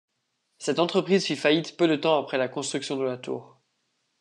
Cette entreprise fit faillite peu de temps après la construction de la tour.